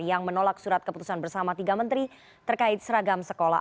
yang menolak surat keputusan bersama tiga menteri terkait seragam sekolah